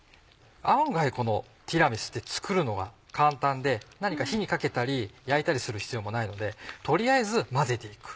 案外このティラミスって作るのは簡単で何か火にかけたり焼いたりする必要もないので取りあえず混ぜて行く。